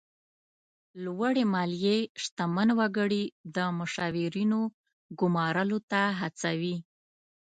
لوړې مالیې شتمن وګړي د مشاورینو ګمارلو ته هڅوي.